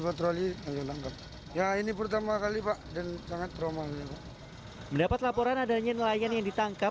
patroli ayo tangkap ya ini pertama kali pak dan sangat trauma mendapat laporan adanya nelayan yang ditangkap